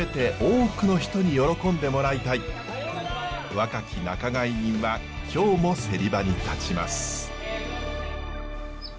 若き仲買人は今日もセリ場に立ちます。